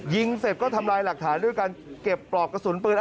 ยิงเสร็จก็ทำลายหลักฐานด้วยการเก็บปลอกกระสุนปืน